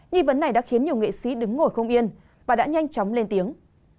nghi vấn này đã khiến nhiều nghệ sĩ đứng ngồi không yên và đã nhanh chóng lên tiếng